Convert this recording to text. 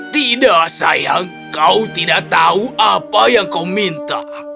tidak sayang kau tidak tahu apa yang kau minta